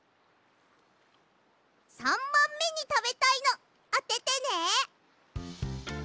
３ばんめにたべたいのあててね！